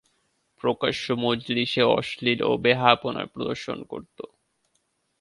প্রকাশ্য মজলিসে অশ্লীল ও বেহায়াপনা প্রদর্শন করত।